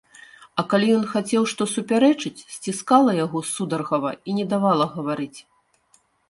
А калі ён хацеў што супярэчыць, сціскала яго сударгава і не давала гаварыць.